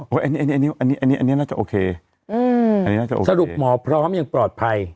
ก็อันนี้อันนี้อันนี้อันนี้อันนี้น่าจะโอเคอืมอันนี้น่าจะโอเคสรุปหมอพร้อมยังปลอดภัย